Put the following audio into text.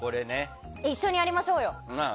一緒にやりましょうよ。